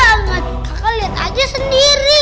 serem banget kaka liat aja sendiri